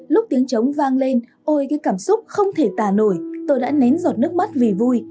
lúc tiếng trống vang lên ôi cái cảm xúc không thể tả nổi tôi đã nén giọt nước mắt vì vui